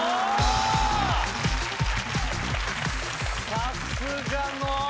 さすがの！